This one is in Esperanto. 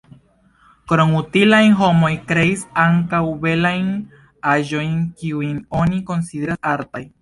Krom utilajn, homoj kreis ankaŭ belajn aĵojn, kiujn oni konsideras artaj.